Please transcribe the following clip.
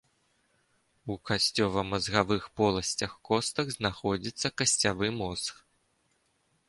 У касцёвамазгавых поласцях костак знаходзіцца касцявы мозг.